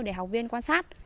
để học viên quan sát